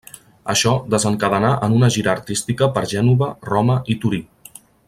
Això desencadenà en una gira artística per Gènova, Roma i Torí.